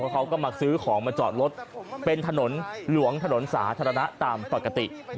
เขาก็มาซื้อของมาจอดรถเป็นถนนหลวงถนนสาธารณะตามปกติ